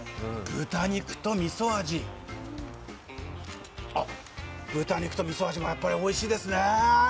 豚肉とみそ味あっ、豚肉とみそ味もやっぱりおいしいですね。